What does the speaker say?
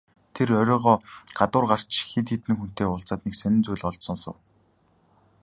Тэр оройгоо гадуур гарч хэд хэдэн хүнтэй уулзаад нэг сонин зүйл олж сонсов.